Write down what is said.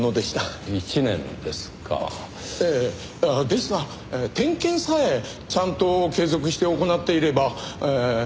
ですが点検さえちゃんと継続して行っていればええ